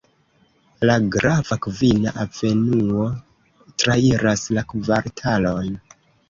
La grava Kvina Avenuo trairas la kvartalon.